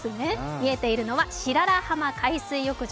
見えているのは白良浜海水浴場。